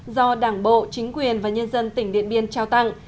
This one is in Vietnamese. do đảng bộ chính quyền và nhân dân tỉnh điện biên trao tặng